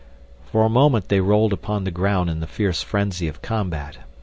For a moment they rolled upon the ground in the fierce frenzy of combat.